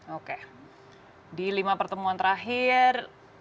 oke di lima pertemuan terakhir